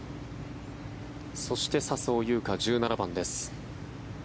そして、笹生優花１７番です。